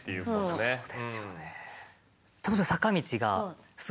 そうですよね。